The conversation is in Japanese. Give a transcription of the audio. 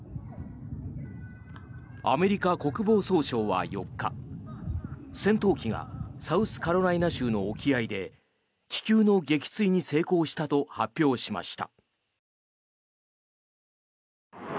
アメリカ国防総省は４日戦闘機がサウスカロライナ州の沖合で気球の撃墜に成功したと発表しました。